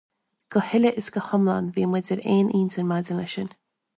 Go huile is go hiomlán, bhí muid ar aon intinn maidir leis sin.